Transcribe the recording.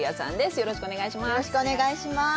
よろしくお願いします。